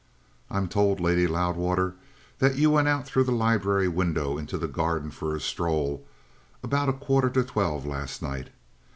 "I'm told, Lady Loudwater, that you went out through the library window into the garden for a stroll about a quarter to twelve last night.